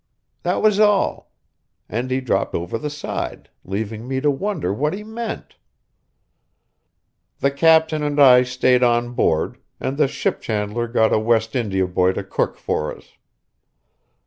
That was all; and he dropped over the side, leaving me to wonder what he meant. The captain and I stayed on board, and the ship chandler got a West India boy to cook for us.